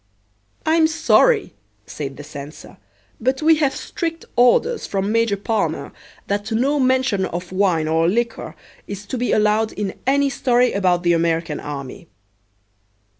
"I'm sorry," said the censor, "but we have strict orders from Major Palmer that no mention of wine or liquor is to be allowed in any story about the American army."